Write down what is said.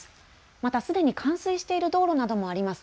またすでに冠水している道路などもあります。